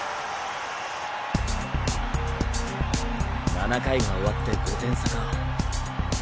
７回が終わって５点差か。